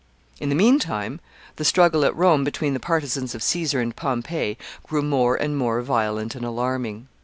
] In the mean time, the struggle at Rome between the partisans of Caesar and Pompey grew more and more violent and alarming.